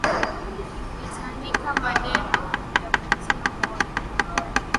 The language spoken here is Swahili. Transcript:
Nitaandika maneno ya kutia moyo